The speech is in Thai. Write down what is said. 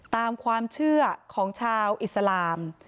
ตามความเชื่อของชาวอิสลาม